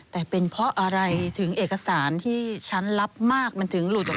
แต่เป็นเพราะอะไรถึงเอกสารที่ฉันรับมากมันถึงหลุดออกมา